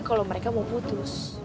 kalo mereka mau putus